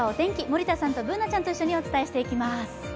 森田さんとＢｏｏｎａちゃんとお伝えしていきます。